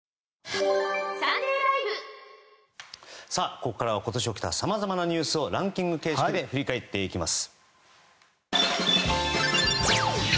ここからは今年起きたさまざまなニュースをランキング形式で振り返っていきます。